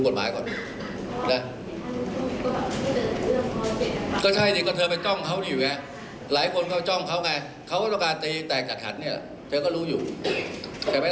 ถ้ายิงไม่มีคนอยู่กับฉันจะยิ่งดุกกว่าเดิมจะบอกให้